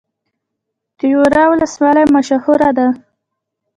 تیوره ولسوالۍ مشهوره ده؟